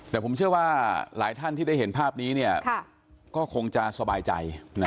แต่ผมเชื่อว่าหลายท่านที่ได้เห็นภาพนี้ก็คงจะสบายใจ